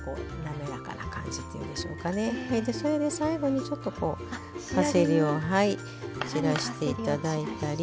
それで最後にちょっとこうパセリを散らして頂いたり。